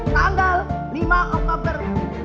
tanggal lima oktober dua ribu dua puluh